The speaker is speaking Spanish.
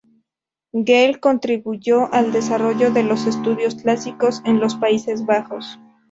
Geel contribuyó al desarrollo de los estudios clásicos en los Países Bajos.